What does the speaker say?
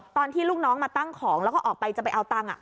ตอนที่ลูกน้องมาตั้งของแล้วก็ออกไปจะไปเอาตังค์